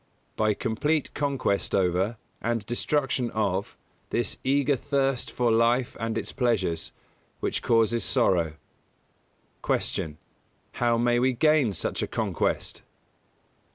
By complete conquest over, and destruction of, this eager thirst for life and its pleasures, which causes sorrow. 125. Q. _How may we gain such a conquest?